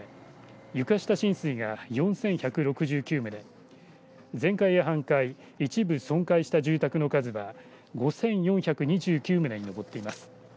床下浸水が４１６９棟全壊や半壊一部損壊した住宅の数は５４２９棟に上っています。